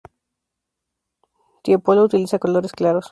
Tiepolo utiliza colores claros.